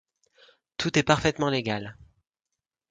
Tout est parfaitement légal.